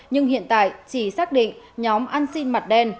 nhưng hiện tại chỉ xác định nhóm ăn xin mặt đen